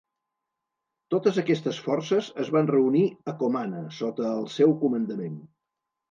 Totes aquestes forces es van reunir a Comana sota el seu comandament.